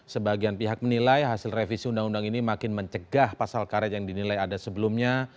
sebagian pihak menilai hasil revisi undang undang ini makin mencegah pasal karet yang dinilai ada sebelumnya